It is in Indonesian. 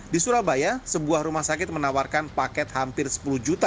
di surabaya sebuah rumah sakit menawarkan paket hampir sepuluh juta